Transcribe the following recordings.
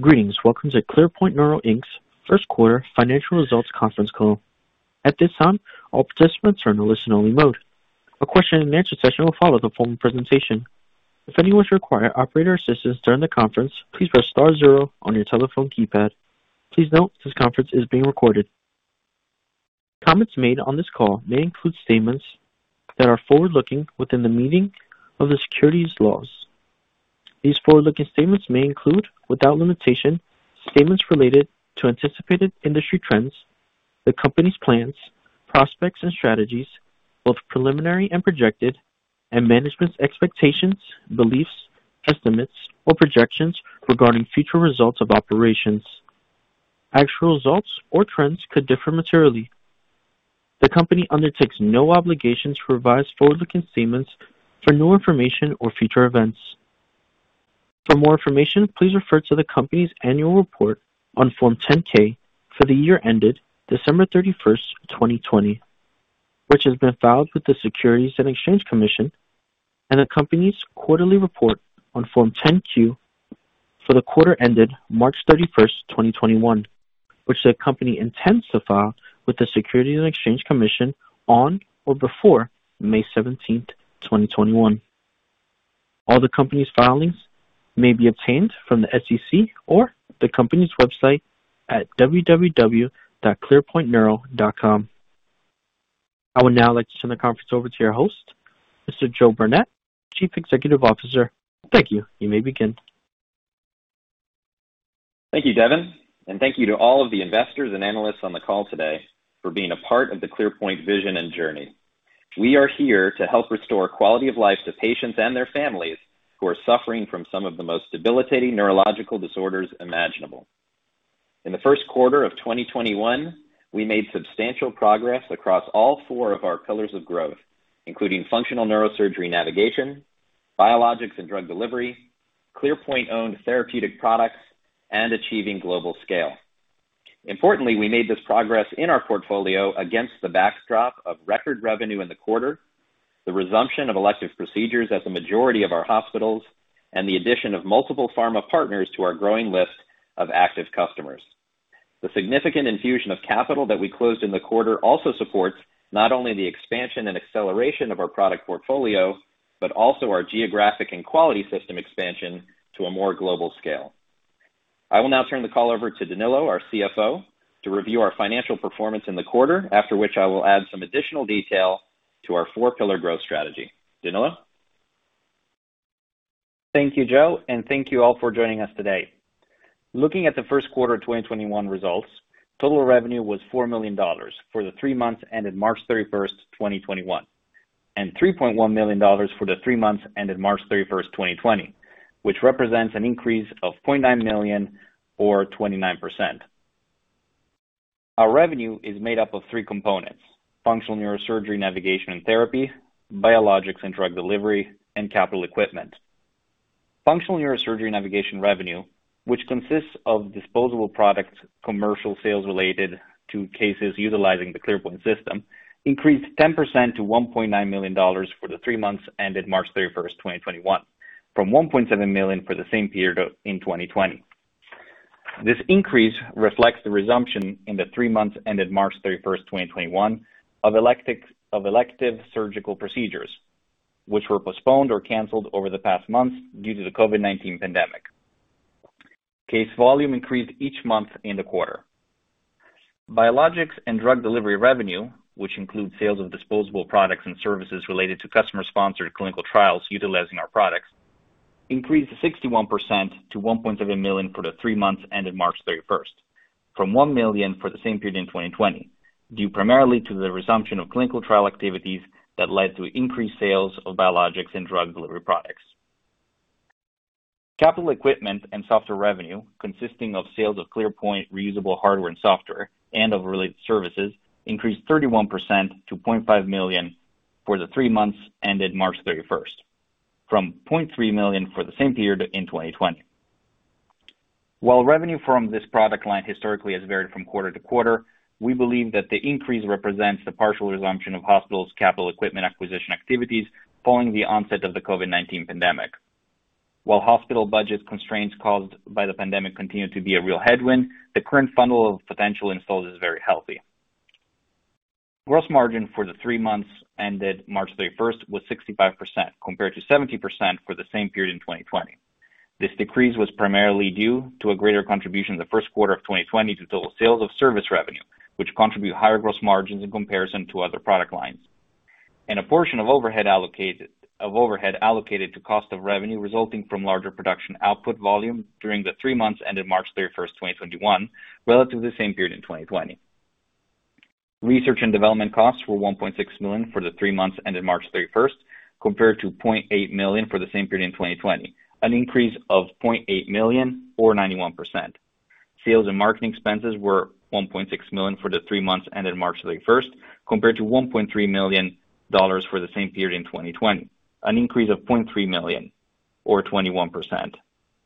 Greetings. Welcome to ClearPoint Neuro Inc.'s First Quarter Financial Results Conference Call. At this time, all participants are in a listen-only mode. A question-and-answer session will follow the formal presentation. If anyone requires operator assistance during the conference, please press star zero on your telephone keypad. Please note, this conference is being recorded. Comments made on this call may include statements that are forward-looking within the meaning of the securities laws. These forward-looking statements may include, without limitation, statements related to anticipated industry trends, the company's plans, prospects, and strategies, both preliminary and projected, and management's expectations, beliefs, estimates, or projections regarding future results of operations. Actual results or trends could differ materially. The company undertakes no obligation to revise forward-looking statements for new information or future events. For more information, please refer to the company's annual report on Form 10-K for the year ended December 31, 2020, which has been filed with the Securities and Exchange Commission, and the company's quarterly report on Form 10-Q for the quarter ended March 31, 2021, which the company intends to file with the Securities and Exchange Commission on or before May 17, 2021. All the company's filings may be obtained from the SEC or the company's website at www.clearpointneuro.com. I would now like to turn the conference over to your host, Mr. Joe Burnett, Chief Executive Officer. Thank you. You may begin. Thank you, Devin, and thank you to all of the investors and analysts on the call today for being a part of the ClearPoint vision and journey. We are here to help restore quality of life to patients and their families who are suffering from some of the most debilitating neurological disorders imaginable. In the first quarter of 2021, we made substantial progress across all four of our pillars of growth, including functional neurosurgery navigation, biologics and drug delivery, ClearPoint-owned therapeutic products, and achieving global scale. Importantly, we made this progress in our portfolio against the backdrop of record revenue in the quarter, the resumption of elective procedures at the majority of our hospitals, and the addition of multiple pharma partners to our growing list of active customers. The significant infusion of capital that we closed in the quarter also supports not only the expansion and acceleration of our product portfolio, but also our geographic and quality system expansion to a more global scale. I will now turn the call over to Danilo, our CFO, to review our financial performance in the quarter, after which I will add some additional detail to our four-pillar growth strategy. Danilo? Thank you, Joe, and thank you all for joining us today. Looking at the first quarter 2021 results, total revenue was $4 million for the three months ended March 31st, 2021, and $3.1 million for the three months ended March 31st, 2020, which represents an increase of $0.9 million or 29%. Our revenue is made up of three components. Functional neurosurgery navigation and therapy, biologics and drug delivery, and capital equipment. Functional neurosurgery navigation revenue, which consists of disposable products, commercial sales related to cases utilizing the ClearPoint system, increased 10% to $1.9 million for the three months ended March 31st, 2021, from $1.7 million for the same period in 2020. This increase reflects the resumption in the three months ended March 31st, 2021 of elective surgical procedures, which were postponed or canceled over the past months due to the COVID-19 pandemic. Case volume increased each month in the quarter. Biologics and drug delivery revenue, which includes sales of disposable products and services related to customer-sponsored clinical trials utilizing our products, increased 61% to $1.7 million for the three months ended March 31st, from $1 million for the same period in 2020, due primarily to the resumption of clinical trial activities that led to increased sales of biologics and drug delivery products. Capital equipment and software revenue, consisting of sales of ClearPoint reusable hardware and software and of related services, increased 31% to $0.5 million for the three months ended March 31st, from $0.3 million for the same period in 2020. While revenue from this product line historically has varied from quarter to quarter, we believe that the increase represents the partial resumption of hospitals' capital equipment acquisition activities following the onset of the COVID-19 pandemic. While hospital budget constraints caused by the pandemic continue to be a real headwind, the current funnel of potential installs is very healthy. Gross margin for the three months ended March 31st was 65%, compared to 70% for the same period in 2020. This decrease was primarily due to a greater contribution in the first quarter of 2020 to total sales of service revenue, which contribute higher gross margins in comparison to other product lines, and a portion of overhead allocated to cost of revenue resulting from larger production output volume during the three months ended March 31st, 2021, relative to the same period in 2020. Research and development costs were $1.6 million for the three months ended March 31st, compared to $0.8 million for the same period in 2020, an increase of $0.8 million or 91%. Sales and marketing expenses were $1.6 million for the three months ended March 31st, compared to $1.3 million for the same period in 2020, an increase of $0.3 million or 21%.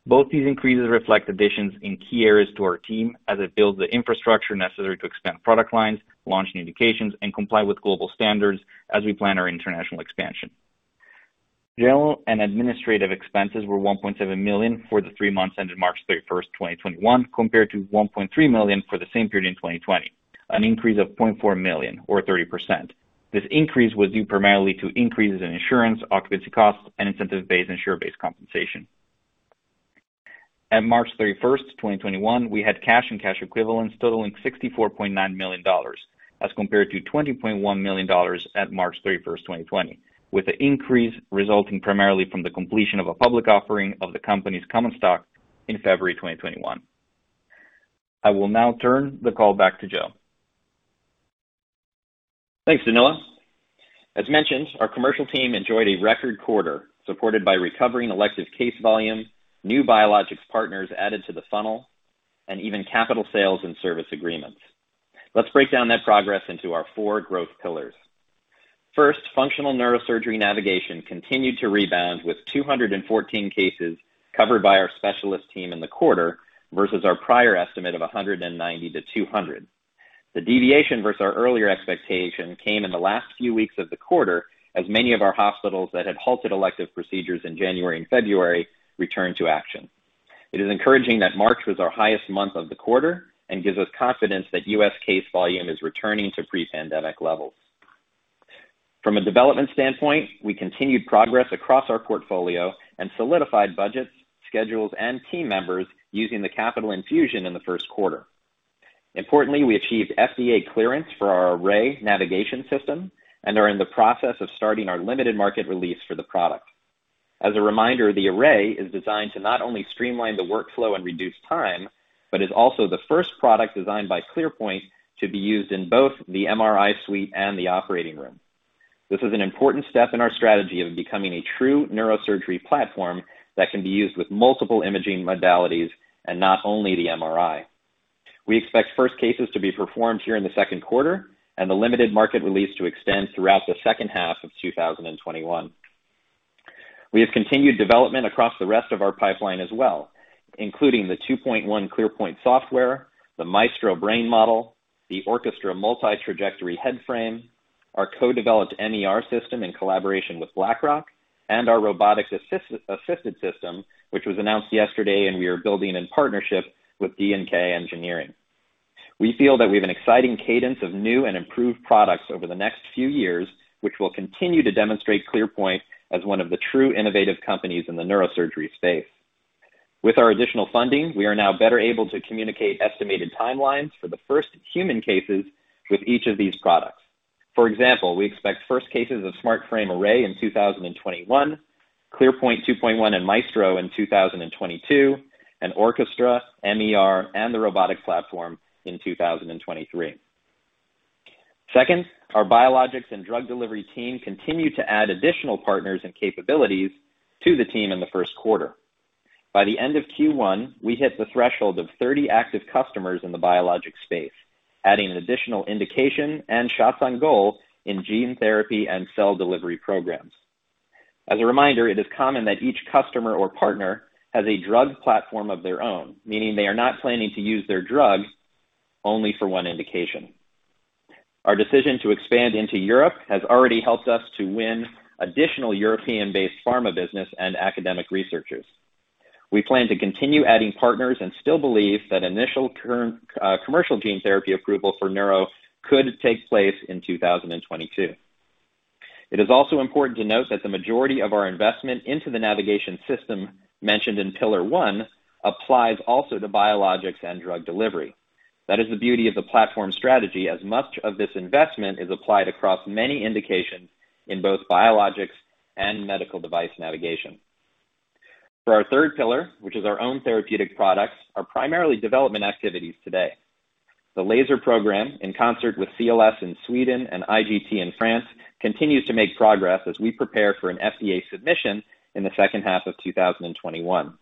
Both these increases reflect additions in key areas to our team as it builds the infrastructure necessary to expand product lines, launch new indications, and comply with global standards as we plan our international expansion. General and administrative expenses were $1.7 million for the three months ended March 31st, 2021, compared to $1.3 million for the same period in 2020, an increase of $0.4 million or 30%. This increase was due primarily to increases in insurance, occupancy costs, and incentive-based and share-based compensation. At March 31st, 2021, we had cash and cash equivalents totaling $64.9 million as compared to $20.1 million at March 31st, 2020, with the increase resulting primarily from the completion of a public offering of the company's common stock in February 2021. I will now turn the call back to Joe. Thanks, Danilo. As mentioned, our commercial team enjoyed a record quarter supported by recovering elective case volume, new biologics partners added to the funnel, and even capital sales and service agreements. Let's break down that progress into our four growth pillars. First, functional neurosurgery navigation continued to rebound with 214 cases covered by our specialist team in the quarter versus our prior estimate of 190-200. The deviation versus our earlier expectation came in the last few weeks of the quarter as many of our hospitals that had halted elective procedures in January and February returned to action. It is encouraging that March was our highest month of the quarter and gives us confidence that U.S. case volume is returning to pre-pandemic levels. From a development standpoint, we continued progress across our portfolio and solidified budgets, schedules, and team members using the capital infusion in the first quarter. Importantly, we achieved FDA clearance for our Array navigation system and are in the process of starting our limited market release for the product. As a reminder, the Array is designed to not only streamline the workflow and reduce time, but is also the first product designed by ClearPoint to be used in both the MRI suite and the operating room. This is an important step in our strategy of becoming a true neurosurgery platform that can be used with multiple imaging modalities and not only the MRI. We expect first cases to be performed here in the second quarter and the limited market release to extend throughout the second half of 2021. We have continued development across the rest of our pipeline as well, including the ClearPoint 2.1 software, the Maestro Brain Model, the Orchestra multi-trajectory head frame, our co-developed MER system in collaboration with Blackrock, and our robotic assisted system, which was announced yesterday, and we are building in partnership with D&K Engineering. We feel that we have an exciting cadence of new and improved products over the next few years, which will continue to demonstrate ClearPoint as one of the true innovative companies in the neurosurgery space. With our additional funding, we are now better able to communicate estimated timelines for the first human cases with each of these products. For example, we expect first cases of SmartFrame Array in 2021, ClearPoint 2.1 and Maestro in 2022, and Orchestra, MER, and the robotic platform in 2023. Our biologics and drug delivery team continued to add additional partners and capabilities to the team in the first quarter. By the end of Q1, we hit the threshold of 30 active customers in the biologic space, adding an additional indication and shots on goal in gene therapy and cell delivery programs. It is common that each customer or partner has a drug platform of their own, meaning they are not planning to use their drug only for one indication. Our decision to expand into Europe has already helped us to win additional European-based pharma business and academic researchers. We plan to continue adding partners and still believe that initial commercial gene therapy approval for neuro could take place in 2022. It is also important to note that the majority of our investment into the navigation system mentioned in pillar one applies also to biologics and drug delivery. That is the beauty of the platform strategy, as much of this investment is applied across many indications in both biologics and medical device navigation. For our third pillar, which is our own therapeutic products, are primarily development activities today. The Laser program, in concert with CLS in Sweden and IGT in France, continues to make progress as we prepare for an FDA submission in the second half of 2021.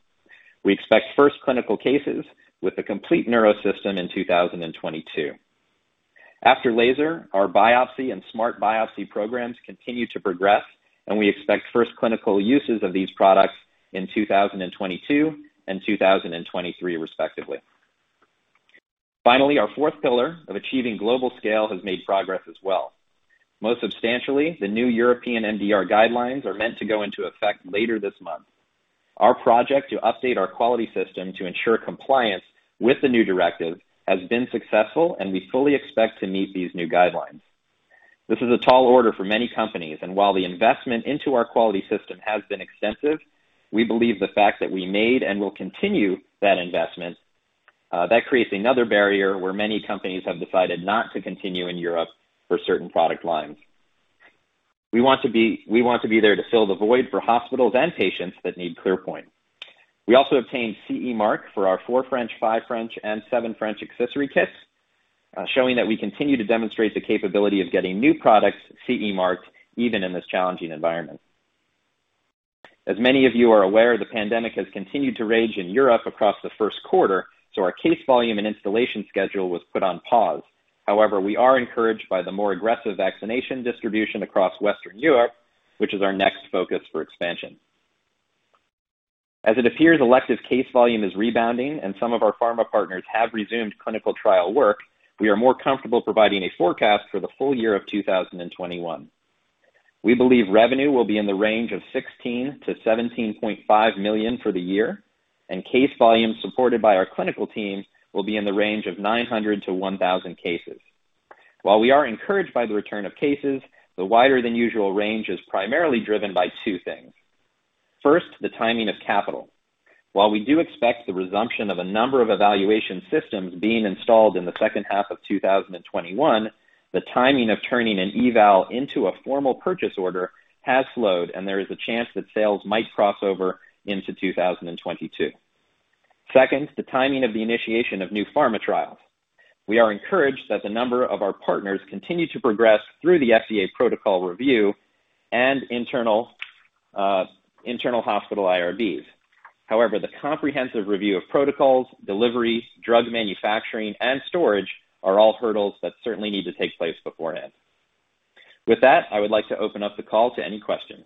We expect first clinical cases with the complete Neuro system in 2022. After Laser, our biopsy and Smart Biopsy programs continue to progress, and we expect first clinical uses of these products in 2022 and 2023, respectively. Finally, our fourth pillar of achieving global scale has made progress as well. Most substantially, the new European MDR guidelines are meant to go into effect later this month. Our project to update our quality system to ensure compliance with the new directive has been successful, and we fully expect to meet these new guidelines. This is a tall order for many companies, and while the investment into our quality system has been extensive, we believe the fact that we made and will continue that investment, that creates another barrier where many companies have decided not to continue in Europe for certain product lines. We want to be there to fill the void for hospitals and patients that need ClearPoint. We also obtained CE mark for our 4 French, 5 Fr, and 7 Fr accessory kits, showing that we continue to demonstrate the capability of getting new products CE marked even in this challenging environment. As many of you are aware, the pandemic has continued to rage in Europe across the first quarter, our case volume and installation schedule was put on pause. We are encouraged by the more aggressive vaccination distribution across Western Europe, which is our next focus for expansion. As it appears, elective case volume is rebounding and some of our pharma partners have resumed clinical trial work, we are more comfortable providing a forecast for the full year of 2021. We believe revenue will be in the range of $16 million-$17.5 million for the year, and case volume supported by our clinical team will be in the range of 900-1,000 cases. While we are encouraged by the return of cases, the wider than usual range is primarily driven by two things. First, the timing of capital. While we do expect the resumption of a number of evaluation systems being installed in the second half of 2021, the timing of turning an eval into a formal purchase order has slowed, and there is a chance that sales might cross over into 2022. Second, the timing of the initiation of new pharma trials. We are encouraged that the number of our partners continue to progress through the FDA protocol review and internal hospital IRBs. However, the comprehensive review of protocols, delivery, drug manufacturing, and storage are all hurdles that certainly need to take place beforehand. With that, I would like to open up the call to any questions.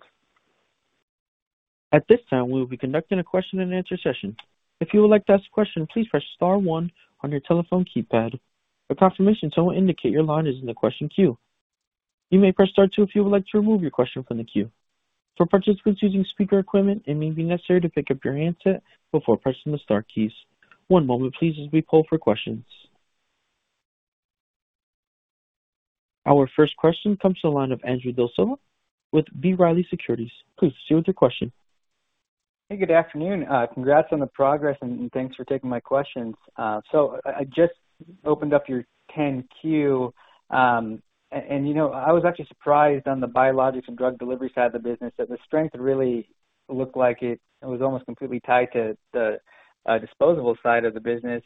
Our first question comes to the line of Andrew D'Silva with B. Riley Securities. Please proceed with your question. Hey, good afternoon. Congrats on the progress, and thanks for taking my questions. I just opened up your 10-Q, and I was actually surprised on the biologics and drug delivery side of the business, that the strength really looked like it was almost completely tied to the disposable side of the business.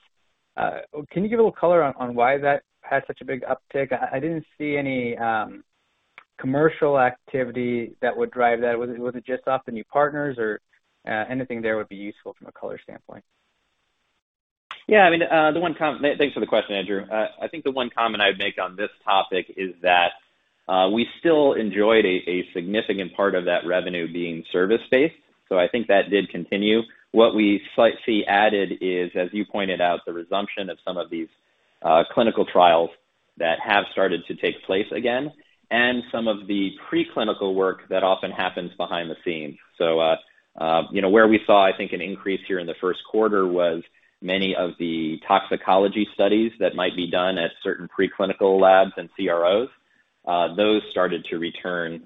Can you give a little color on why that had such a big uptick? I didn't see any commercial activity that would drive that. Was it just off the new partners, or anything there would be useful from a color standpoint? Yeah, thanks for the question, Andrew. I think the one comment I would make on this topic is that we still enjoyed a significant part of that revenue being service-based. I think that did continue. What we slightly added is, as you pointed out, the resumption of some of these clinical trials that have started to take place again, and some of the pre-clinical work that often happens behind the scenes. Where we saw, I think, an increase here in the first quarter was many of the toxicology studies that might be done at certain pre-clinical labs and CROs. Those started to return,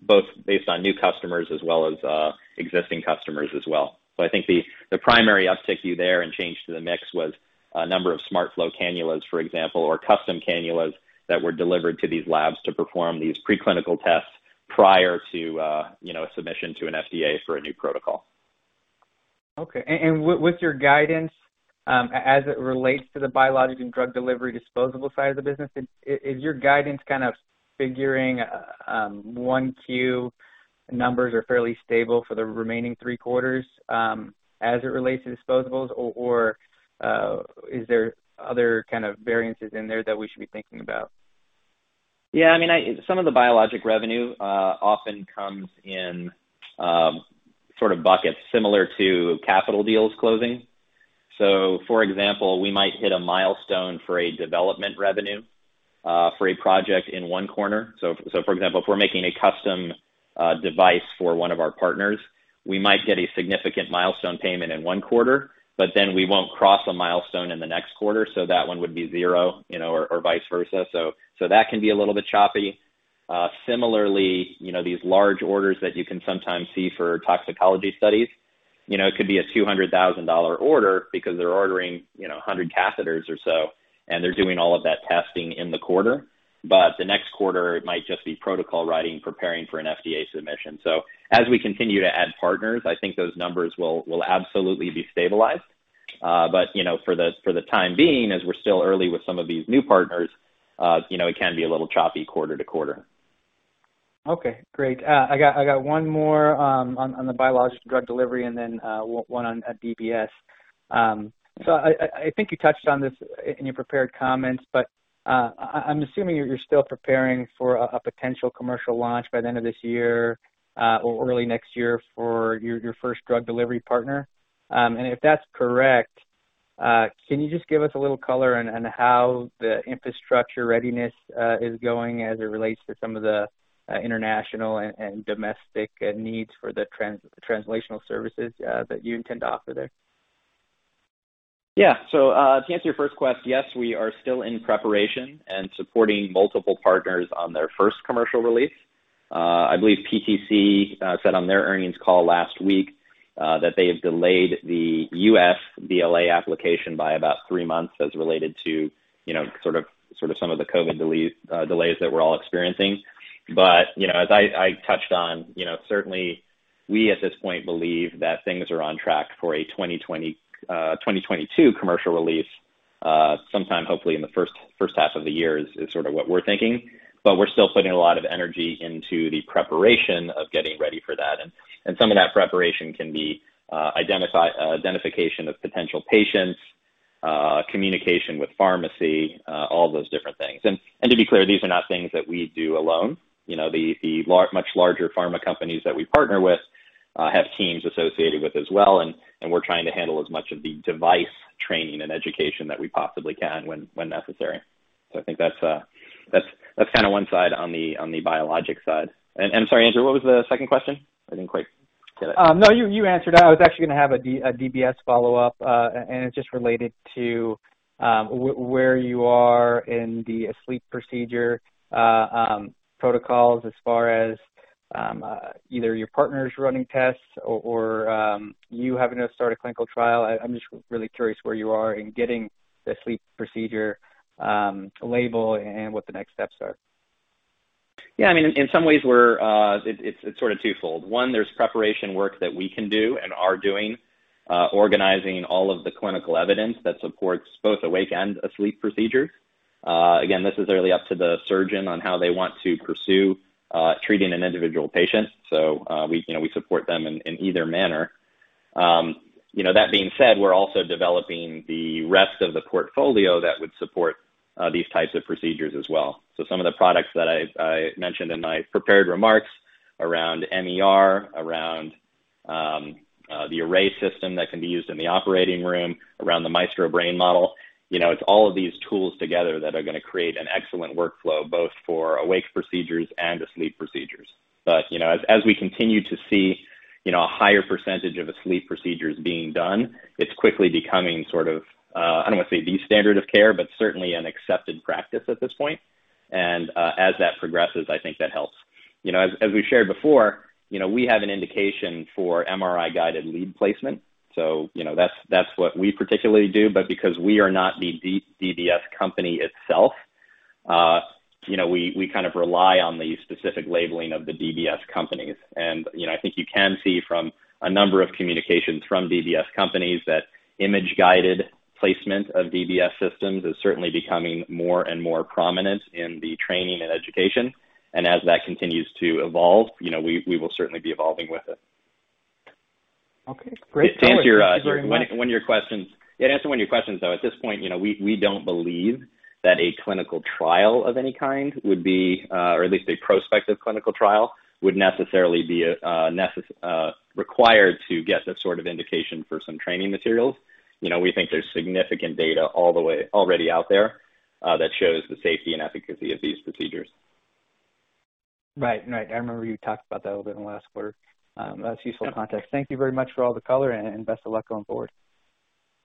both based on new customers as well as existing customers as well. I think the primary uptick you there and change to the mix was a number of SmartFlow cannulas, for example, or custom cannulas that were delivered to these labs to perform these pre-clinical tests prior to submission to an FDA for a new protocol. Okay. With your guidance, as it relates to the biologic and drug delivery disposable side of the business, is your guidance kind of figuring 1Q numbers are fairly stable for the remaining three quarters as it relates to disposables? Is there other kind of variances in there that we should be thinking about? Some of the biologic revenue often comes in sort of buckets similar to capital deals closing. For example, we might hit a milestone for a development revenue for a project in one corner. For example, if we're making a custom device for one of our partners, we might get a significant milestone payment in one quarter, but then we won't cross a milestone in the next quarter, so that one would be zero, or vice versa. That can be a little bit choppy. Similarly, these large orders that you can sometimes see for toxicology studies, it could be a $200,000 order because they're ordering 100 catheters or so, and they're doing all of that testing in the quarter. The next quarter, it might just be protocol writing, preparing for an FDA submission. As we continue to add partners, I think those numbers will absolutely be stabilized. For the time being, as we're still early with some of these new partners, it can be a little choppy quarter to quarter. Okay, great. I got one more on the biologics drug delivery, then one on DBS. I think you touched on this in your prepared comments, but I'm assuming you're still preparing for a potential commercial launch by the end of this year or early next year for your first drug delivery partner. If that's correct, can you just give us a little color on how the infrastructure readiness is going as it relates to some of the international and domestic needs for the translational services that you intend to offer there? Yeah. To answer your first question, yes, we are still in preparation and supporting multiple partners on their first commercial release. I believe PTC Therapeutics said on their earnings call last week that they have delayed the U.S. BLA application by about three months as related to sort of some of the COVID-19 delays that we're all experiencing. As I touched on, certainly we, at this point, believe that things are on track for a 2022 commercial release, sometime hopefully in the first half of the year is sort of what we're thinking. We're still putting a lot of energy into the preparation of getting ready for that, and some of that preparation can be identification of potential patients, communication with pharmacy, all those different things. To be clear, these are not things that we do alone. The much larger pharma companies that we partner with have teams associated with as well, and we're trying to handle as much of the device training and education that we possibly can when necessary. I think that's one side on the biologic side. Sorry, Andrew, what was the second question? I didn't quite get it. No, you answered. I was actually going to have a DBS follow-up, and it's just related to where you are in the asleep procedure protocols as far as either your partners running tests or you having to start a clinical trial. I'm just really curious where you are in getting the asleep procedure to label and what the next steps are. Yeah. In some ways it's sort of twofold. One, there's preparation work that we can do and are doing, organizing all of the clinical evidence that supports both awake and asleep procedures. Again, that's really up to the surgeon on how they want to pursue treating an individual patient. We support them in either manner. That being said, we're also developing the rest of the portfolio that would support these types of procedures as well. Some of the products that I mentioned in my prepared remarks around MER, around the Array system that can be used in the operating room, around the Maestro Brain Model, it's all of these tools together that are going to create an excellent workflow both for awake procedures and asleep procedures. As we continue to see a higher percentage of asleep procedures being done, it's quickly becoming sort of, I don't want to say the standard of care, but certainly an accepted practice at this point. As that progresses, I think that helps. As we shared before, we have an indication for MRI-guided lead placement. That's what we particularly do, but because we are not the DBS company itself, we kind of rely on the specific labeling of the DBS companies. I think you can see from a number of communications from DBS companies that image-guided placement of DBS systems is certainly becoming more and more prominent in the training and education. As that continues to evolve, we will certainly be evolving with it. Okay, great. Thanks very much. To answer one of your questions, though, at this point, we don't believe that a clinical trial of any kind, or at least a prospective clinical trial, would necessarily be required to get that sort of indication for some training materials. We think there's significant data already out there that shows the safety and efficacy of these procedures. Right. I remember you talked about that a bit in the last quarter. That's useful context. Thank you very much for all the color, and best of luck going forward.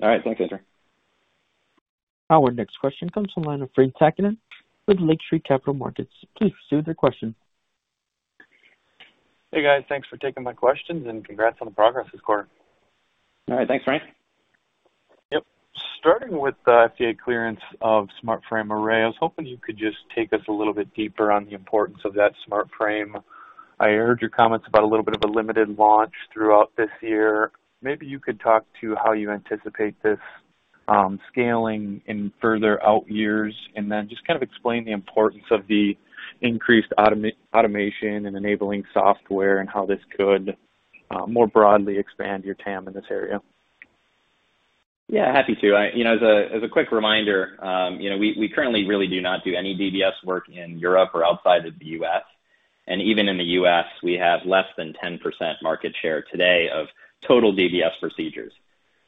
All right. Thanks, Andrew. Our next question comes from the line of Frank Takkinen with Lake Street Capital Markets. Please proceed with your question. Hey, guys. Thanks for taking my questions, and congrats on the progress this quarter. All right. Thanks, Frank. Yep. Starting with the FDA clearance of SmartFrame Arrays, hopefully you could just take us a little bit deeper on the importance of that SmartFrame. I heard your comments about a little bit of a limited launch throughout this year. Maybe you could talk to how you anticipate this scaling in further out years, and then just kind of explain the importance of the increased automation and enabling software and how this could more broadly expand your TAM in this area. Yeah, happy to. As a quick reminder, we currently really do not do any DBS work in Europe or outside of the U.S. Even in the U.S., we have less than 10% market share today of total DBS procedures.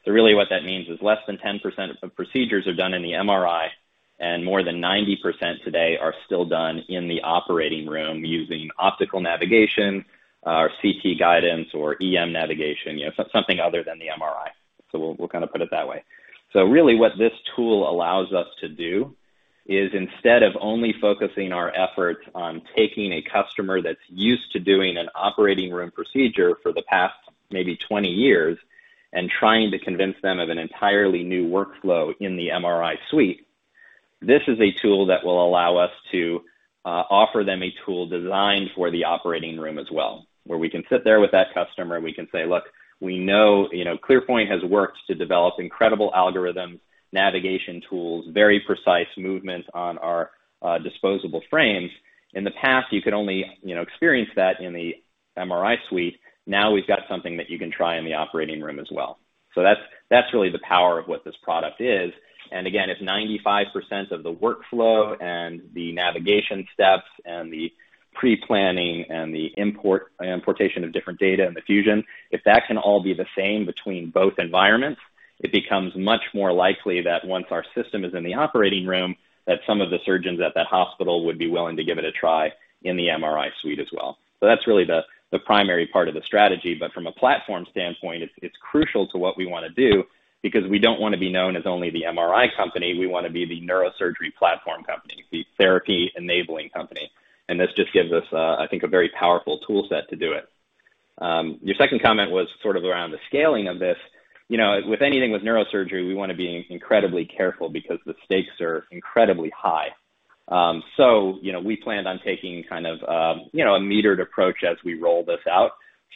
Really what that means is less than 10% of procedures are done in the MRI, and more than 90% today are still done in the operating room using optical navigation or CT guidance or EM navigation. Something other than the MRI. We'll kind of put it that way. Really what this tool allows us to do is instead of only focusing our efforts on taking a customer that's used to doing an operating room procedure for the past maybe 20 years and trying to convince them of an entirely new workflow in the MRI suite, this is a tool that will allow us to offer them a tool designed for the operating room as well, where we can sit there with that customer and we can say, "Look, we know ClearPoint Neuro has worked to develop incredible algorithms, navigation tools, very precise movements on our disposable frames. In the past, you could only experience that in the MRI suite. Now we've got something that you can try in the operating room as well." That's really the power of what this product is. Again, if 95% of the workflow and the navigation steps and the pre-planning and the importation of different data and the fusion, if that can all be the same between both environments, it becomes much more likely that once our system is in the operating room, that some of the surgeons at that hospital would be willing to give it a try in the MRI suite as well. That's really the primary part of the strategy. From a platform standpoint, it's crucial to what we want to do because we don't want to be known as only the MRI company. We want to be the neurosurgery platform company, the therapy enabling company. This just gives us, I think, a very powerful tool set to do it. Your second comment was sort of around the scaling of this. With anything with neurosurgery, we want to be incredibly careful because the stakes are incredibly high. We plan on taking a metered approach as we roll this out,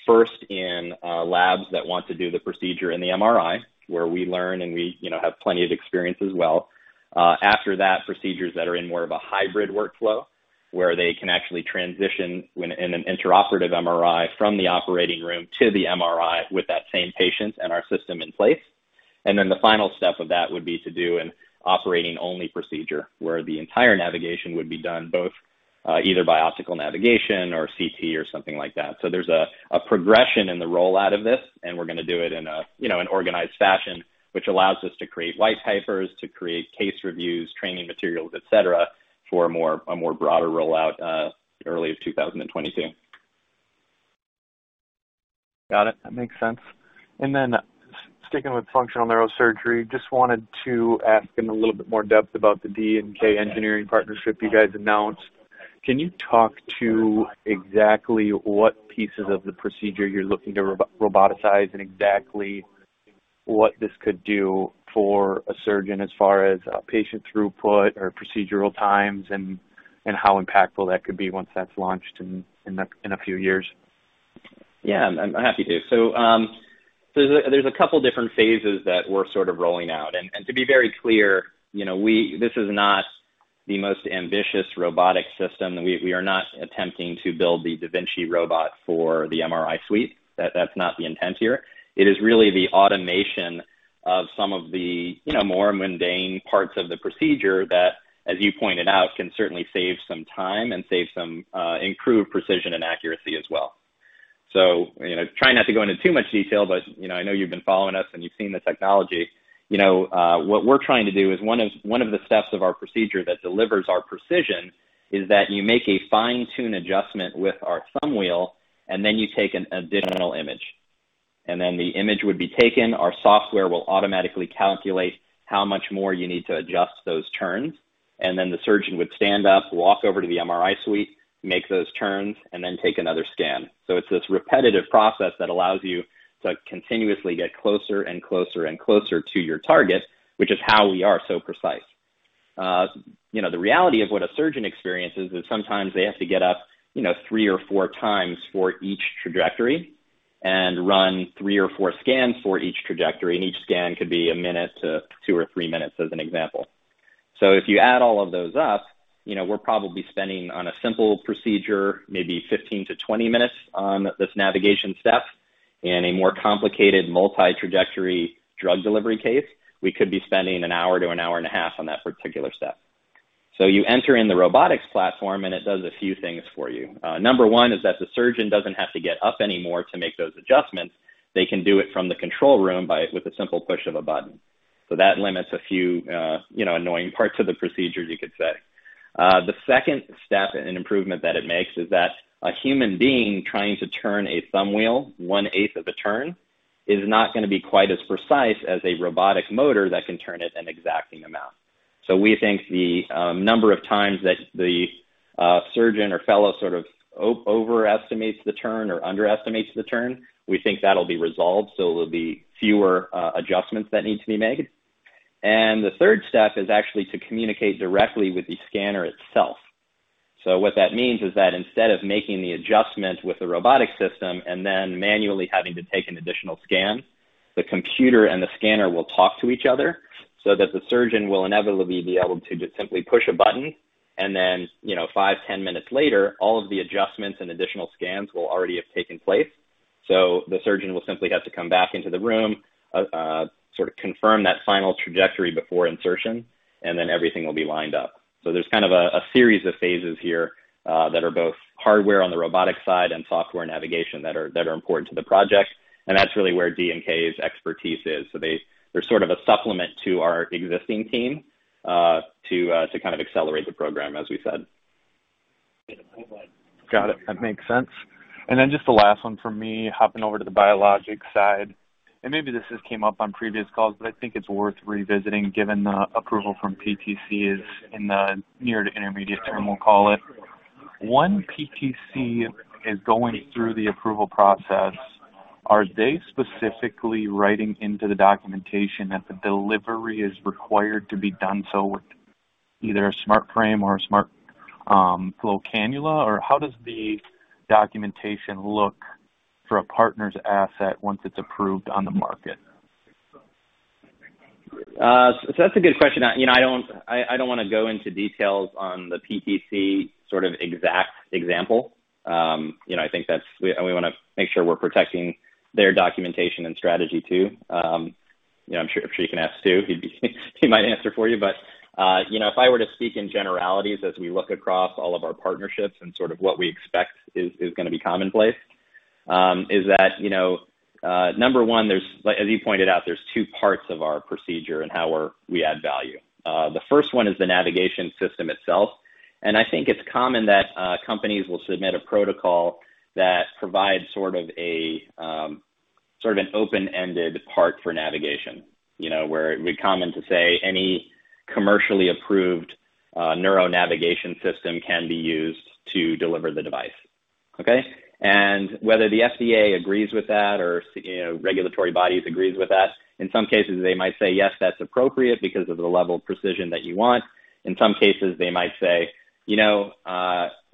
first in labs that want to do the procedure in the MRI, where we learn and we have plenty of experience as well. After that, procedures that are in more of a hybrid workflow where they can actually transition in an intraoperative MRI from the operating room to the MRI with that same patient and our system in place. The final step of that would be to do an operating-only procedure, where the entire navigation would be done both either by optical navigation or CT or something like that. There's a progression in the rollout of this, and we're going to do it in an organized fashion, which allows us to create white papers, to create case reviews, training materials, et cetera, for a more broader rollout, early of 2022. Got it. That makes sense. Sticking with functional neurosurgery, just wanted to ask in a little bit more depth about the D&K Engineering partnership you guys announced. Can you talk to exactly what pieces of the procedure you're looking to roboticize and exactly what this could do for a surgeon as far as patient throughput or procedural times and how impactful that could be once that's launched in a few years? Yeah, I'm happy to. There's a couple different phases that we're sort of rolling out. To be very clear, this is not the most ambitious robotic system. We are not attempting to build the da Vinci robot for the MRI suite. That's not the intent here. It is really the automation of some of the more mundane parts of the procedure that, as you pointed out, can certainly save some time and improve precision and accuracy as well. Trying not to go into too much detail, but I know you've been following us and you've seen the technology. What we're trying to do is, one of the steps of our procedure that delivers our precision is that you make a fine-tune adjustment with our thumb wheel, and then you take an additional image. The image would be taken, our software will automatically calculate how much more you need to adjust those turns, the surgeon would stand up, walk over to the MRI suite, make those turns, take another scan. It's this repetitive process that allows you to continuously get closer and closer and closer to your target, which is how we are so precise. The reality of what a surgeon experiences is sometimes they have to get up three or four times for each trajectory and run three or four scans for each trajectory. Each scan could be a minute to two or three minutes, as an example. If you add all of those up, we're probably spending, on a simple procedure, maybe 15-20 minutes on this navigation step. In a more complicated multi-trajectory drug delivery case, we could be spending an hour to an hour and a half on that particular step. You enter in the robotics platform. It does a few things for you. Number one is that the surgeon doesn't have to get up anymore to make those adjustments. They can do it from the control room with a simple push of a button. That limits a few annoying parts of the procedure, you could say. The second step and improvement that it makes is that a human being trying to turn a thumb wheel one-eighth of a turn is not going to be quite as precise as a robotic motor that can turn it an exacting amount. We think the number of times that the surgeon or fellow sort of overestimates the turn or underestimates the turn, we think that'll be resolved, so there'll be fewer adjustments that need to be made. The third step is actually to communicate directly with the scanner itself. What that means is that instead of making the adjustment with the robotic system and then manually having to take an additional scan, the computer and the scanner will talk to each other, so that the surgeon will inevitably be able to just simply push a button and then five, 10 minutes later, all of the adjustments and additional scans will already have taken place. The surgeon will simply have to come back into the room, sort of confirm that final trajectory before insertion, and then everything will be lined up. There's kind of a series of phases here that are both hardware on the robotics side and software navigation that are important to the project, and that's really where D&K's expertise is. They're sort of a supplement to our existing team to kind of accelerate the program, as we said. Got it. That makes sense. Then just the last one from me, hopping over to the biologics side. Maybe this has came up on previous calls, but I think it's worth revisiting given the approval from PTC is in the near to intermediate term, we'll call it. One PTC is going through the approval process. Are they specifically writing into the documentation that the delivery is required to be done so with either a SmartFrame or a SmartFlow cannula? How does the documentation look for a partner's asset once it's approved on the market? That's a good question. I don't want to go into details on the PTC sort of exact example. I think we want to make sure we're protecting their documentation and strategy, too. I'm sure you can ask Stu. He might answer for you. If I were to speak in generalities as we look across all of our partnerships and sort of what we expect is going to be commonplace, is that number one, as you pointed out, there's two parts of our procedure and how we add value. The first one is the navigation system itself, and I think it's common that companies will submit a protocol that provides sort of an open-ended part for navigation. Where it would be common to say any commercially approved Neuro Navigation System can be used to deliver the device. Okay? Whether the FDA agrees with that or regulatory bodies agrees with that, in some cases, they might say, "Yes, that's appropriate because of the level of precision that you want." In some cases, they might say,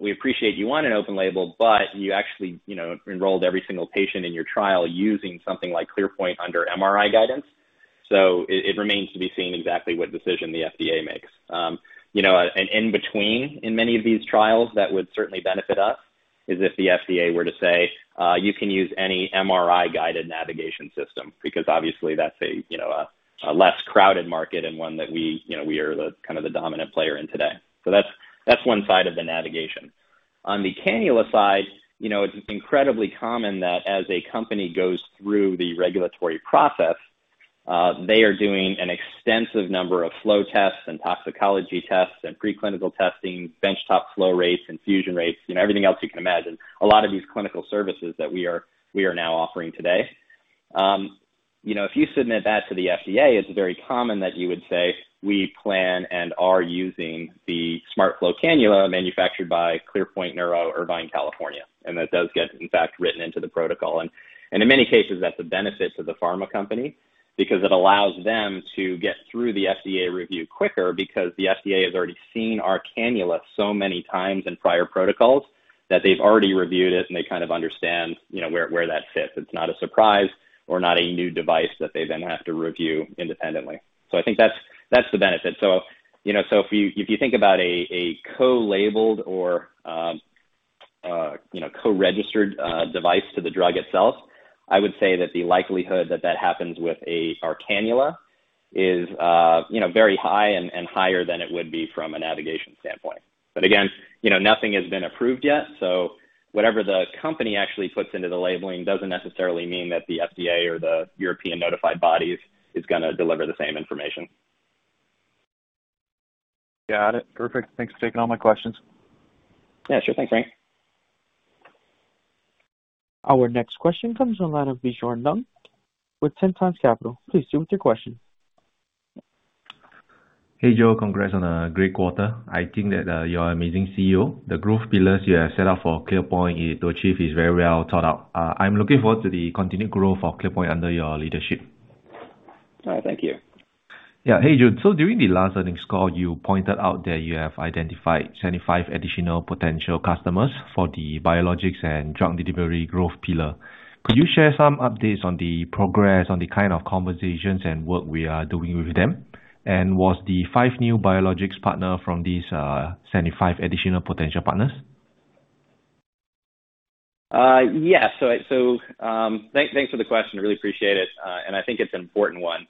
"We appreciate you want an open label, but you actually enrolled every single patient in your trial using something like ClearPoint under MRI guidance." It remains to be seen exactly what decision the FDA makes. An in-between in many of these trials that would certainly benefit us is if the FDA were to say, "You can use any MRI-guided navigation system," because obviously that's a less crowded market and one that we are the dominant player in today. That's one side of the navigation. On the cannula side, it's incredibly common that as a company goes through the regulatory process, they are doing an extensive number of flow tests and toxicology tests and pre-clinical testing, bench-top flow rates, infusion rates, everything else you can imagine. A lot of these clinical services that we are now offering today. If you submit that to the FDA, it's very common that you would say, "We plan and are using the SmartFlow cannula manufactured by ClearPoint Neuro, Irvine, California." That does get, in fact, written into the protocol. In many cases, that's a benefit to the pharma company because it allows them to get through the FDA review quicker because the FDA has already seen our cannula so many times in prior protocols that they've already reviewed it and they kind of understand where that fits. It's not a surprise or not a new device that they then have to review independently. I think that's the benefit. If you think about a co-labeled or co-registered device to the drug itself, I would say that the likelihood that that happens with our cannula is very high and higher than it would be from a navigation standpoint. Again, nothing has been approved yet, so whatever the company actually puts into the labeling doesn't necessarily mean that the FDA or the European notified bodies is going to deliver the same information. Got it. Perfect. Thanks for taking all my questions. Yeah, sure. Thanks, Frank. Our next question comes from the line of Bjorn Ng with 10X Capital. Please proceed with your question. Hey, Joe. Congrats on a great quarter. I think that you're an amazing CEO. The growth pillars you have set up for ClearPoint to achieve is very well thought out. I'm looking forward to the continued growth of ClearPoint under your leadership. All right. Thank you. Yeah. Hey, Joe. During the last earnings call, you pointed out that you have identified 75 additional potential customers for the biologics and drug delivery growth pillar. Could you share some updates on the progress on the kind of conversations and work we are doing with them? Was the five new biologics partner from these 75 additional potential partners? Yes. Thanks for the question. Really appreciate it. I think it's an important one.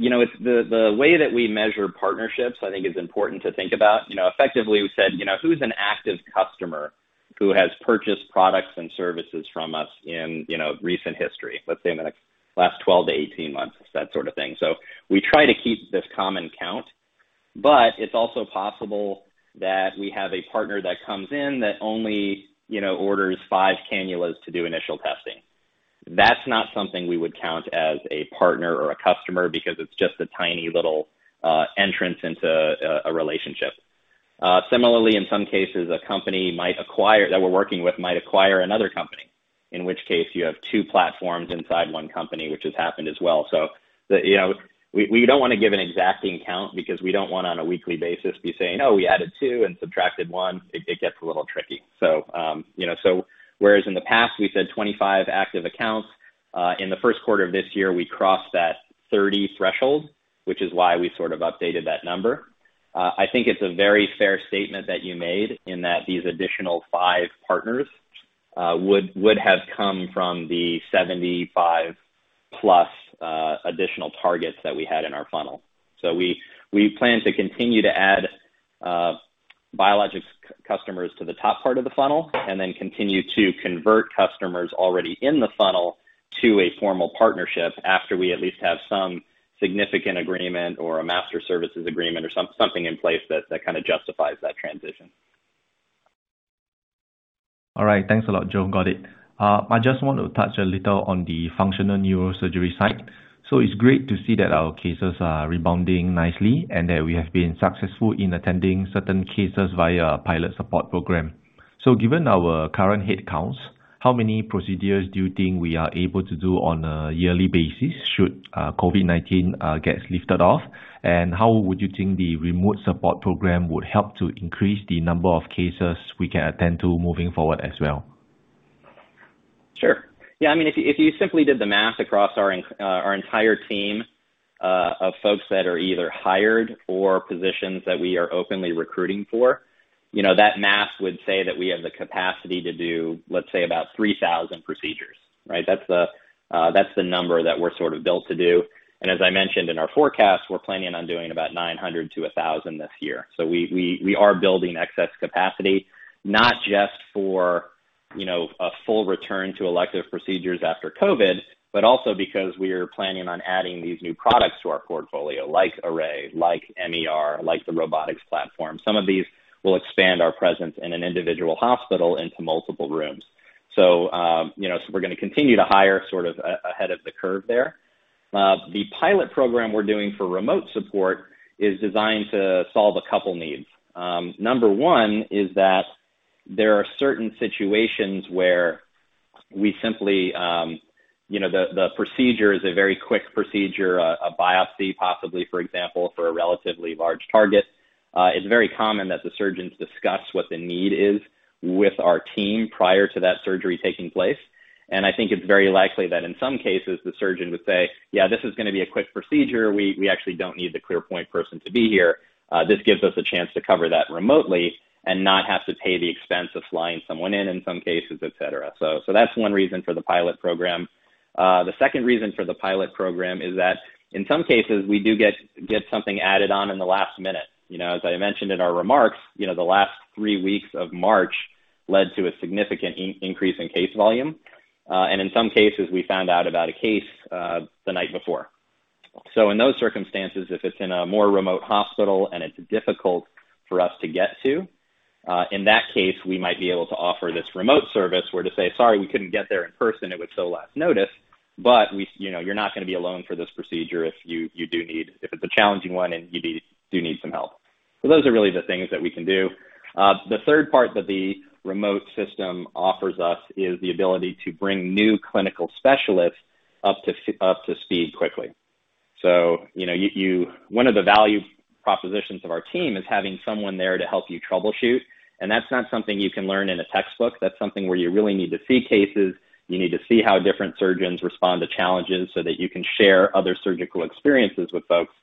The way that we measure partnerships, I think is important to think about. Effectively, we said, who's an active customer who has purchased products and services from us in recent history, let's say in the last 12-18 months, that sort of thing. We try to keep this common count, but it's also possible that we have a partner that comes in that only orders five cannulas to do initial testing. That's not something we would count as a partner or a customer because it's just a tiny little entrance into a relationship. Similarly, in some cases, a company that we're working with might acquire another company, in which case you have two platforms inside one company, which has happened as well. We don't want to give an exacting count because we don't want on a weekly basis be saying, "Oh, we added two and subtracted one." It gets a little tricky. Whereas in the past we said 25 active accounts, in the first quarter of this year, we crossed that 30 threshold, which is why we sort of updated that number. I think it's a very fair statement that you made in that these additional five partners would have come from the 75+ additional targets that we had in our funnel. We plan to continue to add biologics customers to the top part of the funnel and then continue to convert customers already in the funnel to a formal partnership after we at least have some significant agreement or a master services agreement or something in place that kind of justifies that transition. All right. Thanks a lot, Joe. Got it. I just want to touch a little on the functional neurosurgery side. It's great to see that our cases are rebounding nicely and that we have been successful in attending certain cases via pilot support program. Given our current headcounts, how many procedures do you think we are able to do on a yearly basis should COVID-19 gets lifted off? How would you think the remote support program would help to increase the number of cases we can attend to moving forward as well? Sure. Yeah, if you simply did the math across our entire team of folks that are either hired or positions that we are openly recruiting for, that math would say that we have the capacity to do, let's say, about 3,000 procedures, right? That's the number that we're sort of built to do. As I mentioned in our forecast, we're planning on doing about 900-1,000 this year. We are building excess capacity, not just for a full return to elective procedures after COVID, but also because we are planning on adding these new products to our portfolio, like Array, like MER, like the robotics platform. Some of these will expand our presence in an individual hospital into multiple rooms. We're going to continue to hire sort of ahead of the curve there. The pilot program we're doing for remote support is designed to solve a couple needs. Number one is that there are certain situations where we simply the procedure is a very quick procedure, a biopsy possibly, for example, for a relatively large target. It's very common that the surgeons discuss what the need is with our team prior to that surgery taking place. I think it's very likely that in some cases, the surgeon would say, "Yeah, this is going to be a quick procedure. We actually don't need the ClearPoint person to be here." This gives us a chance to cover that remotely and not have to pay the expense of flying someone in some cases, et cetera. That's one reason for the pilot program. The second reason for the pilot program is that in some cases, we do get something added on in the last minute. As I mentioned in our remarks, the last three weeks of March led to a significant increase in case volume. In some cases, we found out about a case the night before. In those circumstances, if it's in a more remote hospital and it's difficult for us to get to, in that case, we might be able to offer this remote service where to say, "Sorry, we couldn't get there in person. It was so last notice, but you're not going to be alone for this procedure if it's a challenging one and you do need some help." Those are really the things that we can do. The third part that the remote system offers us is the ability to bring new clinical specialists up to speed quickly. One of the value propositions of our team is having someone there to help you troubleshoot, and that's not something you can learn in a textbook. That's something where you really need to see cases, you need to see how different surgeons respond to challenges so that you can share other surgical experiences with folks.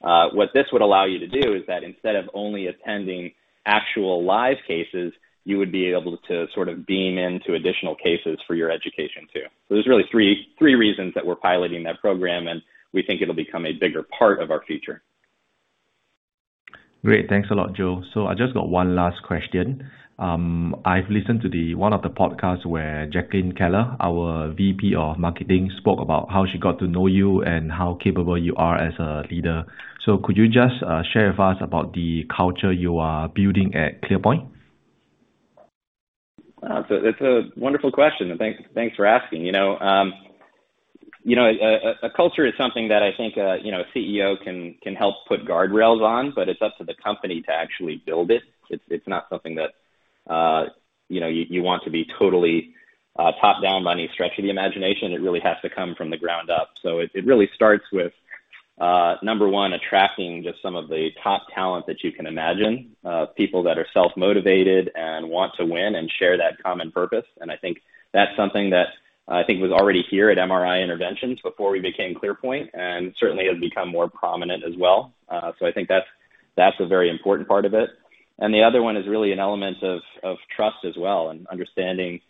What this would allow you to do is that instead of only attending actual live cases, you would be able to sort of beam into additional cases for your education, too. There's really three reasons that we're piloting that program, and we think it'll become a bigger part of our future. Great. Thanks a lot, Joe. I just got one last question. I've listened to one of the podcasts where Jacqueline Keller, our VP of Marketing, spoke about how she got to know you and how capable you are as a leader. Could you just share with us about the culture you are building at ClearPoint? That's a wonderful question, and thanks for asking. A culture is something that I think a CEO can help put guardrails on, but it's up to the company to actually build it. It's not something that you want to be totally top-down by any stretch of the imagination. It really has to come from the ground up. It really starts with, number 1, attracting just some of the top talent that you can imagine. People that are self-motivated and want to win and share that common purpose. I think that's something that I think was already here at MRI Interventions before we became ClearPoint, and certainly has become more prominent as well. I think that's a very important part of it. The other one is really an element of trust as well, and understanding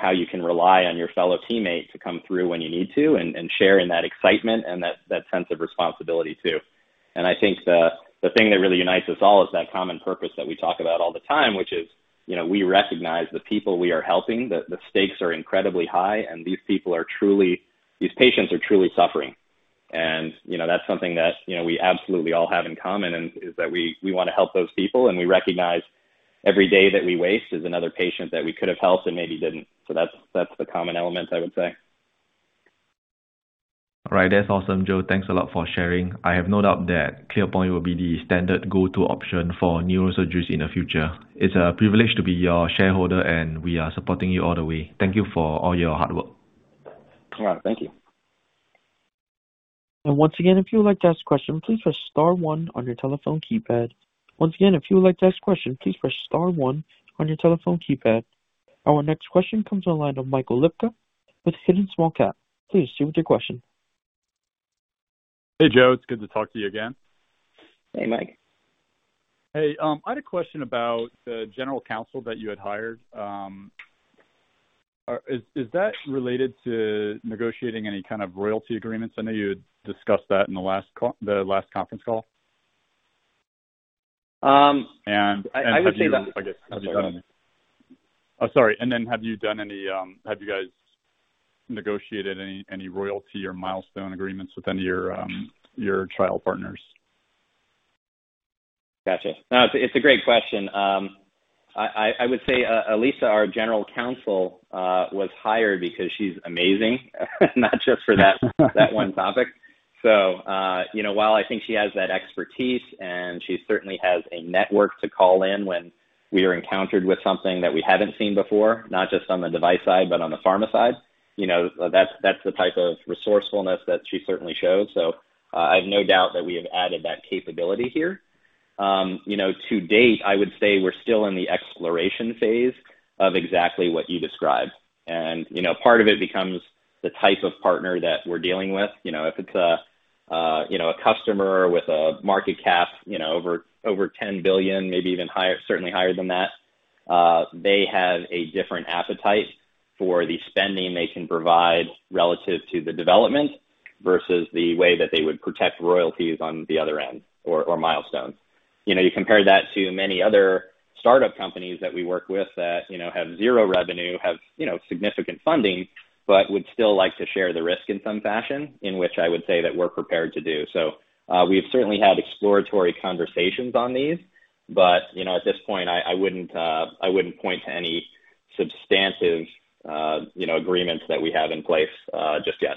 how you can rely on your fellow teammate to come through when you need to, and share in that excitement and that sense of responsibility, too. I think the thing that really unites us all is that common purpose that we talk about all the time, which is we recognize the people we are helping, the stakes are incredibly high, and these patients are truly suffering. That's something that we absolutely all have in common, is that we want to help those people, and we recognize every day that we waste is another patient that we could have helped and maybe didn't. That's the common element, I would say. Right. That's awesome, Joe. Thanks a lot for sharing. I have no doubt that ClearPoint Neuro will be the standard go-to option for neurosurgeons in the future. It's a privilege to be your shareholder, and we are supporting you all the way. Thank you for all your hard work. All right. Thank you. Our next question comes on the line of Michael Lippke with Hidden Small Cap. Please share with your question. Hey, Joe. It's good to talk to you again. Hey, Michael. Hey, I had a question about the general counsel that you had hired. Is that related to negotiating any kind of royalty agreements? I know you had discussed that in the last conference call. I would say that- Oh, sorry. Have you guys negotiated any royalty or milestone agreements with any of your trial partners? Got you. No, it's a great question. I would say Lisa, our general counsel, was hired because she's amazing, not just for that one topic. While I think she has that expertise and she certainly has a network to call in when we are encountered with something that we haven't seen before, not just on the device side, but on the pharma side, that's the type of resourcefulness that she certainly shows. I have no doubt that we have added that capability here. To date, I would say we're still in the exploration phase of exactly what you described. Part of it becomes the type of partner that we're dealing with. If it's a customer with a market cap over $10 billion, maybe even higher, certainly higher than that, they have a different appetite for the spending they can provide relative to the development versus the way that they would protect royalties on the other end, or milestones. You compare that to many other startup companies that we work with that have zero revenue, have significant funding, but would still like to share the risk in some fashion, in which I would say that we're prepared to do. So we've certainly had exploratory conversations on these, but at this point, I wouldn't point to any substantive agreements that we have in place just yet.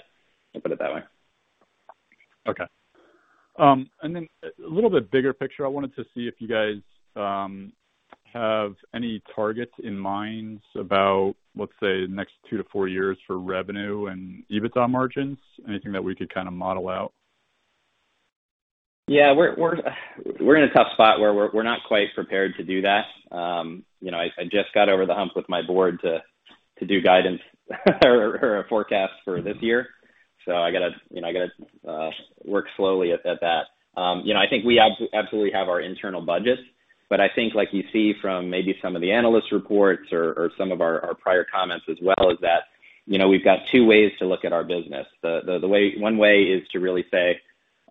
I'll put it that way. Okay. A little bit bigger picture, I wanted to see if you guys have any targets in mind about, let's say, the next two to four years for revenue and EBITDA margins? Anything that we could kind of model out? Yeah. We're in a tough spot where we're not quite prepared to do that. I just got over the hump with my board to do guidance or a forecast for this year, I got to work slowly at that. I think we absolutely have our internal budgets, but I think like you see from maybe some of the analyst reports or some of our prior comments as well, is that we've got two ways to look at our business. One way is to really say,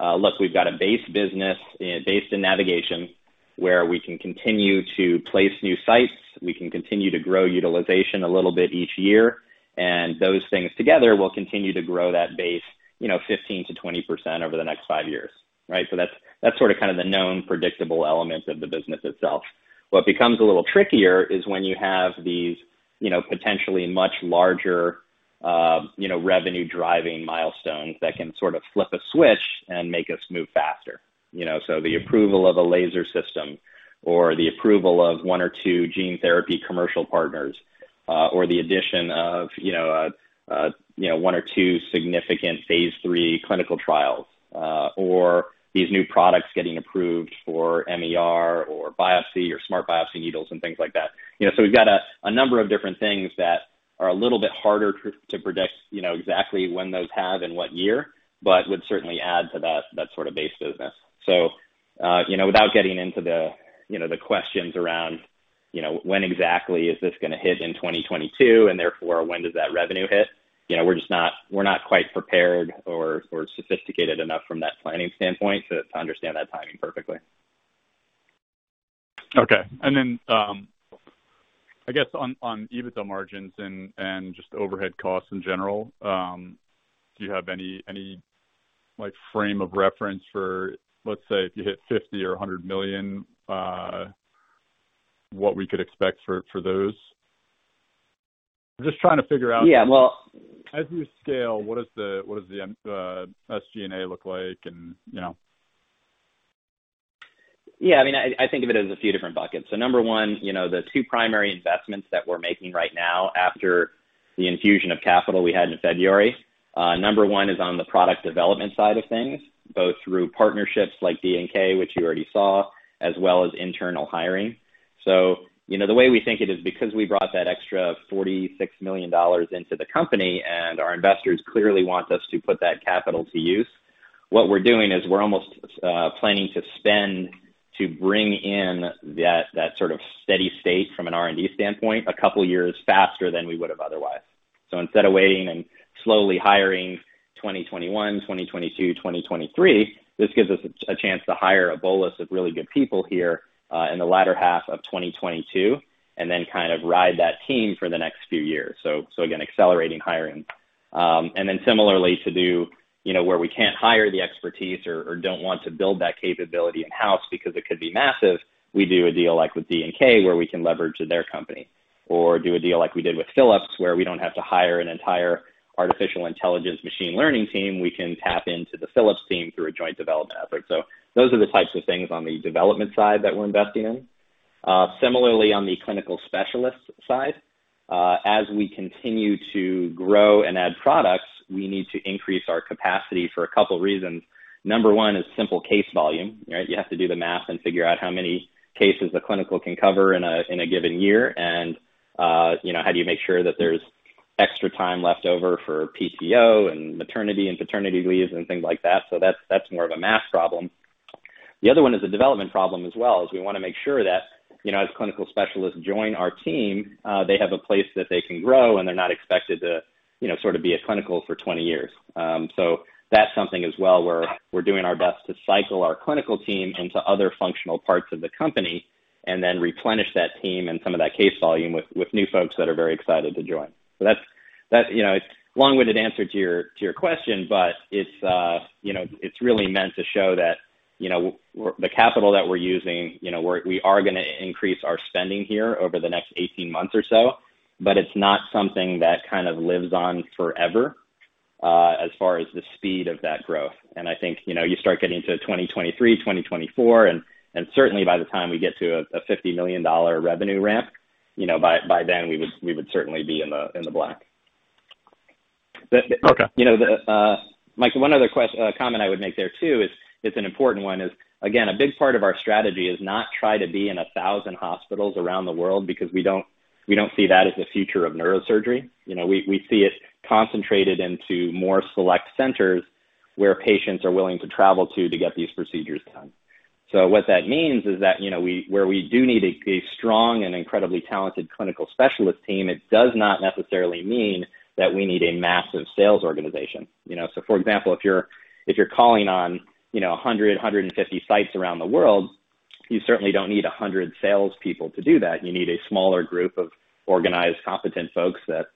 look, we've got a base business based in navigation where we can continue to place new sites, we can continue to grow utilization a little bit each year, and those things together will continue to grow that base 15%-20% over the next five years. Right? That's sort of kind of the known predictable elements of the business itself. What becomes a little trickier is when you have these potentially much larger revenue-driving milestones that can sort of flip a switch and make us move faster. The approval of a laser system or the approval of one or two gene therapy commercial partners, or the addition of one or two significant phase III clinical trials, or these new products getting approved for MER or biopsy or Smart Biopsy needles and things like that. We've got a number of different things that are a little bit harder to predict exactly when those have in what year, but would certainly add to that sort of base business. Without getting into the questions around when exactly is this going to hit in 2022, and therefore when does that revenue hit, we're not quite prepared or sophisticated enough from that planning standpoint to understand that timing perfectly. Okay. I guess on EBITDA margins and just overhead costs in general, do you have any frame of reference for, let's say, if you hit $50 million or $100 million, what we could expect for those? Yeah, well- as you scale, what does the SG&A look like? Yeah, I think of it as a few different buckets. Number one, the two primary investments that we're making right now after the infusion of capital we had in February. Number one is on the product development side of things, both through partnerships like D&K, which you already saw, as well as internal hiring. The way we think it is because we brought that extra $46 million into the company and our investors clearly want us to put that capital to use, what we're doing is we're almost planning to spend to bring in that sort of steady state from an R&D standpoint a couple of years faster than we would have otherwise. Instead of waiting and slowly hiring 2021, 2022, 2023, this gives us a chance to hire a bolus of really good people here, in the latter half of 2022, and then kind of ride that team for the next few years. Again, accelerating hiring. Similarly to do where we can't hire the expertise or don't want to build that capability in-house because it could be massive, we do a deal like with D&K, where we can leverage their company. Do a deal like we did with Philips, where we don't have to hire an entire artificial intelligence machine learning team, we can tap into the Philips team through a joint development effort. Those are the types of things on the development side that we're investing in. Similarly, on the clinical specialist side, as we continue to grow and add products, we need to increase our capacity for a couple of reasons. Number one is simple case volume. You have to do the math and figure out how many cases a clinical can cover in a given year, and how do you make sure that there's extra time left over for PTO and maternity and paternity leaves and things like that. That's more of a math problem. The other one is a development problem as well, is we want to make sure that as clinical specialists join our team, they have a place that they can grow and they're not expected to sort of be a clinical for 20 years. That's something as well, where we're doing our best to cycle our clinical team into other functional parts of the company and then replenish that team and some of that case volume with new folks that are very excited to join. It's a long-winded answer to your question, but it's really meant to show that the capital that we're using, we are going to increase our spending here over the next 18 months or so, but it's not something that kind of lives on forever, as far as the speed of that growth. I think you start getting to 2023, 2024, and certainly by the time we get to a $50 million revenue ramp, by then we would certainly be in the black. Okay. Mike, one other comment I would make there too, it's an important one is, again, a big part of our strategy is not try to be in 1,000 hospitals around the world because we don't see that as the future of neurosurgery. We see it concentrated into more select centers where patients are willing to travel to get these procedures done. What that means is that where we do need a strong and incredibly talented clinical specialist team, it does not necessarily mean that we need a massive sales organization. For example, if you're calling on 100, 150 sites around the world, you certainly don't need 100 salespeople to do that. You need a smaller group of organized, competent folks that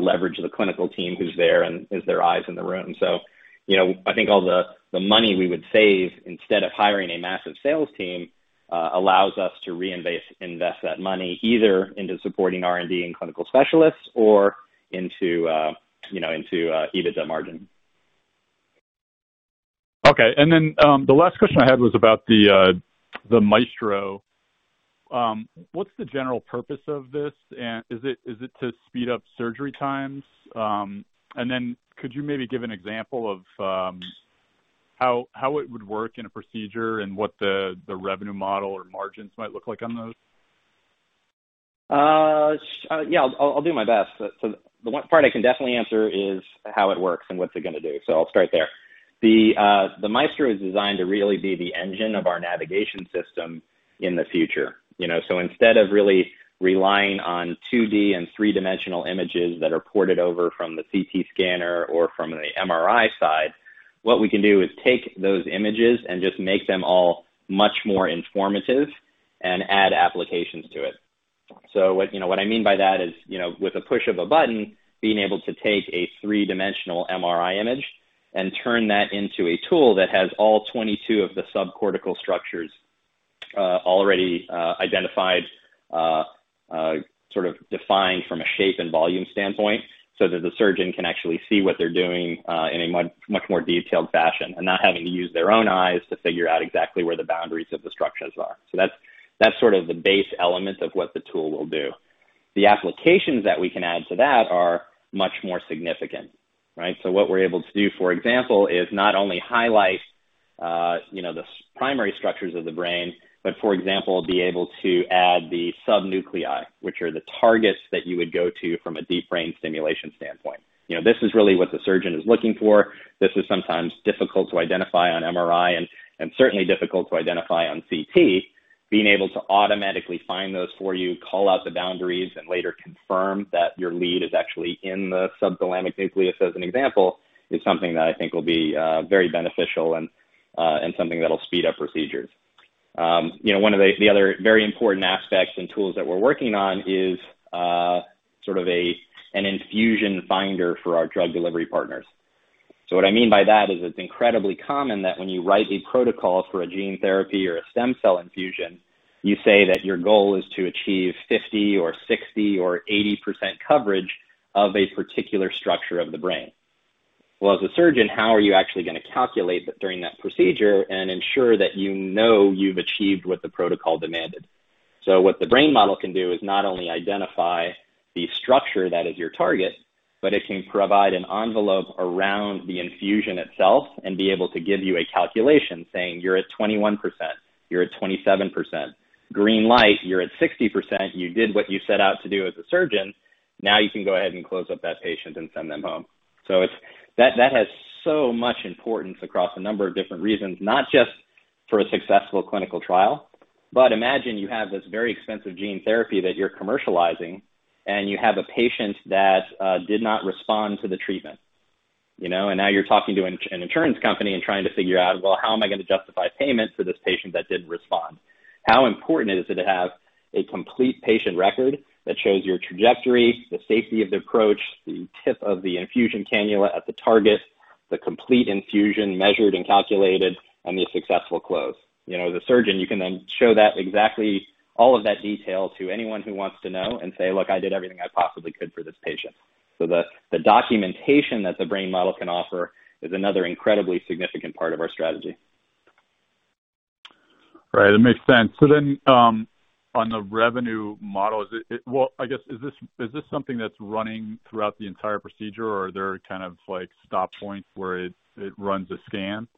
leverage the clinical team who's there and is their eyes in the room. I think all the money we would save instead of hiring a massive sales team, allows us to reinvest that money either into supporting R&D and clinical specialists or into EBITDA margin. Okay. The last question I had was about the Maestro. What's the general purpose of this? Is it to speed up surgery times? Could you maybe give an example of how it would work in a procedure and what the revenue model or margins might look like on those? Yeah, I'll do my best. The one part I can definitely answer is how it works and what's it going to do. I'll start there. The ClearPoint Maestro is designed to really be the engine of our ClearPoint Neuro Navigation System in the future. Instead of really relying on 2D and three-dimensional images that are ported over from the CT or from the MRI, what we can do is take those images and just make them all much more informative and add applications to it. What I mean by that is, with a push of a button, being able to take a three-dimensional MRI image and turn that into a tool that has all 22 of the subcortical structures already identified, sort of defined from a shape and volume standpoint, so that the surgeon can actually see what they're doing in a much more detailed fashion and not having to use their own eyes to figure out exactly where the boundaries of the structures are. That's sort of the base element of what the tool will do. The applications that we can add to that are much more significant, right? What we're able to do, for example, is not only highlight the primary structures of the brain, but, for example, be able to add the subnuclei, which are the targets that you would go to from a deep brain stimulation standpoint. This is really what the surgeon is looking for. This is sometimes difficult to identify on MRI and certainly difficult to identify on CT. Being able to automatically find those for you, call out the boundaries, and later confirm that your lead is actually in the subthalamic nucleus, as an example, is something that I think will be very beneficial and something that'll speed up procedures. One of the other very important aspects and tools that we're working on is sort of an infusion finder for our drug delivery partners. What I mean by that is it's incredibly common that when you write a protocol for a gene therapy or a stem cell infusion, you say that your goal is to achieve 50 or 60 or 80% coverage of a particular structure of the brain. As a surgeon, how are you actually going to calculate that during that procedure and ensure that you know you've achieved what the protocol demanded? What the Brain Model can do is not only identify the structure that is your target, but it can provide an envelope around the infusion itself and be able to give you a calculation saying, "You're at 21%. You're at 27%. Green light, you're at 60%. You did what you set out to do as a surgeon." You can go ahead and close up that patient and send them home. That has so much importance across a number of different reasons, not just for a successful clinical trial. Imagine you have this very expensive gene therapy that you're commercializing, and you have a patient that did not respond to the treatment. Now you're talking to an insurance company and trying to figure out, well, how am I going to justify payment for this patient that didn't respond? How important is it to have a complete patient record that shows your trajectory, the safety of the approach, the tip of the infusion cannula at the target, the complete infusion measured and calculated, and the successful close? As a surgeon, you can then show that exactly, all of that detail to anyone who wants to know and say, "Look, I did everything I possibly could for this patient." The documentation that the brain model can offer is another incredibly significant part of our strategy. Right. That makes sense. On the revenue model, well, I guess, is this something that's running throughout the entire procedure or are there kind of stop points where it runs a scan?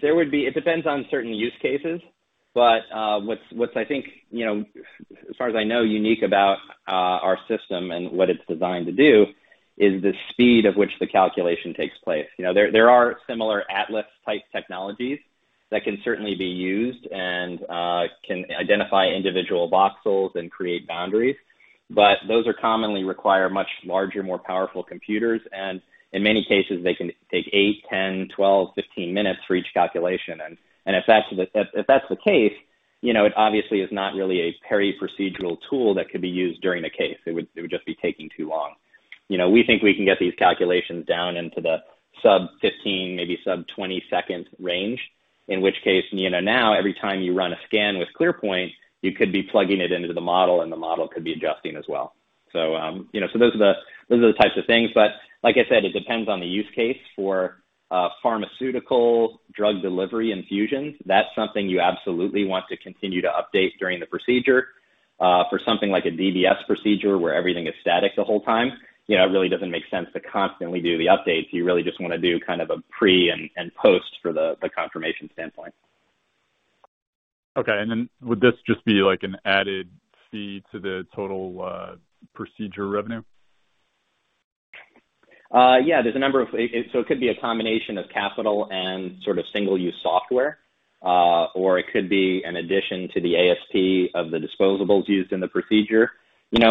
It depends on certain used cases, what's, I think, as far as I know, unique about our system and what it's designed to do is the speed at which the calculation takes place. There are similar atlas-type technologies that can certainly be used and can identify individual voxels and create boundaries, but those commonly require much larger, more powerful computers, and in many cases, they can take 8, 10, 12, 15 minutes for each calculation. If that's the case, it obviously is not really a periprocedural tool that could be used during a case. It would just be taking too long. We think we can get these calculations down into the sub 15, maybe sub 20-second range, in which case, now every time you run a scan with ClearPoint, you could be plugging it into the model and the model could be adjusting as well. Those are the types of things. Like I said, it depends on the use case. For pharmaceutical drug delivery infusions, that's something you absolutely want to continue to update during the procedure. For something like a DBS procedure where everything is static the whole time, it really doesn't make sense to constantly do the updates. You really just want to do kind of a pre and post for the confirmation standpoint. Okay. Would this just be like an added fee to the total procedure revenue? Yeah. It could be a combination of capital and sort of single-use software. It could be an addition to the ASP of the disposables used in the procedure. In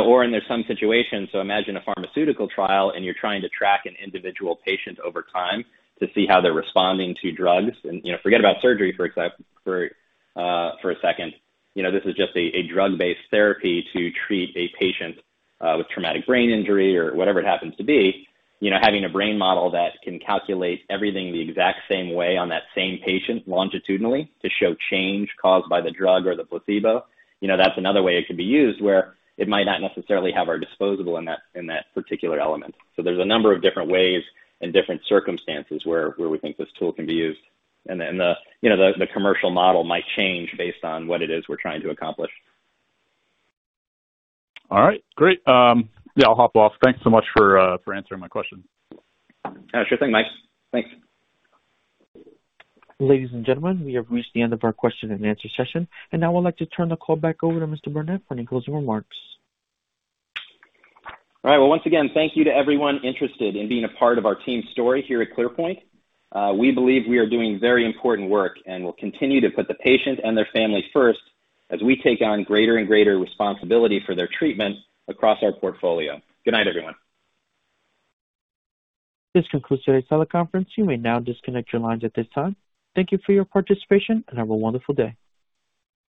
some situations, so imagine a pharmaceutical trial, and you're trying to track an individual patient over time to see how they're responding to drugs. Forget about surgery for a second. This is just a drug-based therapy to treat a patient with traumatic brain injury or whatever it happens to be. Having a brain model that can calculate everything the exact same way on that same patient longitudinally to show change caused by the drug or the placebo, that's another way it could be used where it might not necessarily have our disposable in that particular element. There's a number of different ways and different circumstances where we think this tool can be used, and then the commercial model might change based on what it is we're trying to accomplish. All right. Great. Yeah, I'll hop off. Thanks so much for answering my question. Sure thing, Mike. Thanks. Ladies and gentlemen, we have reached the end of our question and answer session, and now I'd like to turn the call back over to Mr. Burnett for any closing remarks. All right. Well, once again, thank you to everyone interested in being a part of our team's story here at ClearPoint Neuro. We believe we are doing very important work, and we'll continue to put the patient and their families first as we take on greater and greater responsibility for their treatment across our portfolio. Good night, everyone. This concludes today's teleconference. You may now disconnect your lines at this time. Thank you for your participation, and have a wonderful day.